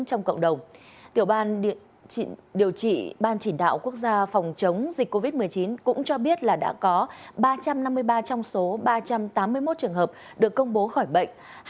trong tiểu ban điều trị ban chỉ đạo quốc gia phòng chống dịch covid một mươi chín cũng cho biết là đã có ba trăm năm mươi ba trong số ba trăm tám mươi một trường hợp được công bố khỏi bệnh